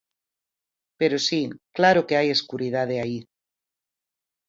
Pero si, claro que hai escuridade aí.